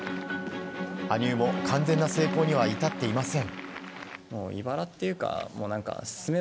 羽生も完全な成功には至っていません。